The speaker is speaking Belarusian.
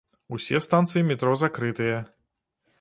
Усе станцыі метро закрытыя.